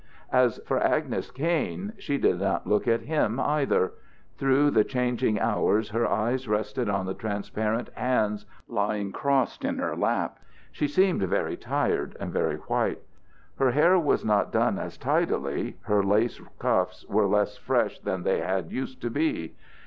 As for Agnes Kain, she did not look at him, either. Through the changing hours her eyes rested on the transparent hands lying crossed in her lap. She seemed very tired and very white. Her hair was not done as tidily, her lace cuffs were less fresh than they had used to be.